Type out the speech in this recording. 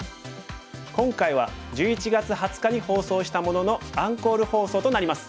今回は１１月２０日に放送したもののアンコール放送となります。